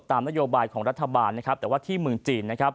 ตามนโยบายของรัฐบาลแต่ว่าที่เมืองจีน